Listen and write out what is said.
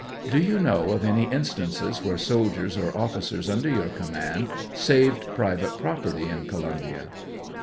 Do you know of any instances where soldiers or officers under your command saved private property in Columbia